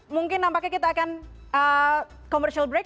mungkin nampaknya kita akan commercial break